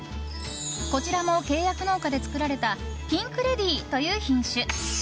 こちらも契約農家で作られたピンクレディーという品種。